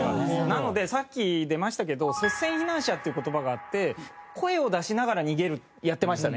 なのでさっき出ましたけど率先避難者っていう言葉があって声を出しながら逃げるやってましたね。